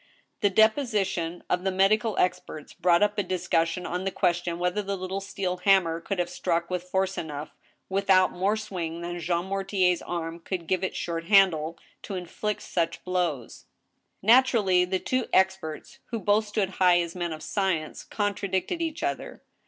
The deposition of the medical experts brought up a discussion on the question whether the little steel hammer could have struck with force enough, without more swing than Jean Mortier's arm could give its short handle, to inflict such blows. Naturally the two experts, who both stood high as men of Sfci ence, contradicted each other.